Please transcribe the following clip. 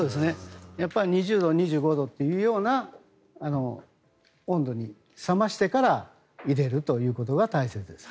２０度２５度というような温度に冷ましてから入れるということが大切です。